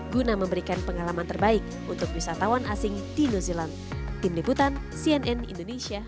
guna memberikan pengalaman terbaik untuk wisatawan asing di new zealand